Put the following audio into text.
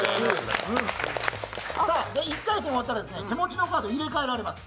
１回戦が終わったら手持ちのカードを入れ替えられます。